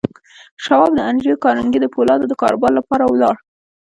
شواب د انډریو کارنګي د پولادو د کاروبار لپاره ولاړ